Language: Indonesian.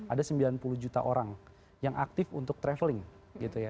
ada sembilan puluh juta orang yang aktif untuk traveling gitu ya